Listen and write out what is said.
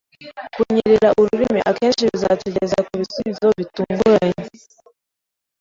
Kunyerera ururimi akenshi bizatugeza kubisubizo bitunguranye.